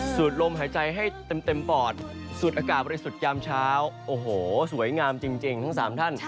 สูตรลมหายใจให้เต็มปอดสุดอากาศสุดยามเช้าโอ้โหสวยงามจริงทั้งสามท่าน